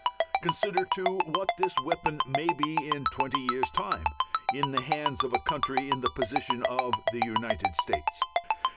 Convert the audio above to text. Consider too what this weapon may be in twenty years' time in the hands of a country in the position of the United States.